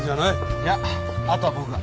いやあとは僕が。